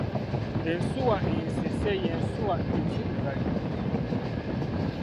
Ensuwa ensese ye nsuwa enzirugaalirivu.